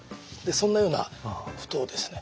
そんなようなことをですね